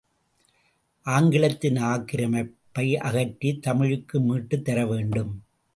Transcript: ஆங்கிலத்தின் ஆக்கிரமிப்பை அகற்றித் தமிழுக்கு மீட்டுத் தரவேண்டும்.